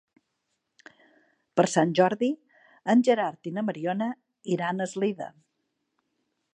Per Sant Jordi en Gerard i na Mariona iran a Eslida.